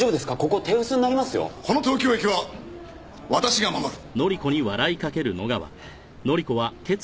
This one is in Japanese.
この東京駅は私が守る！